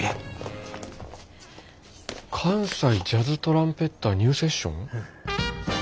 「関西ジャズトランペッターニューセッション」？